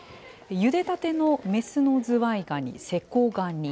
ゆでたての雌のズワイガニ、セコガニ。